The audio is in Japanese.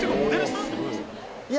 いや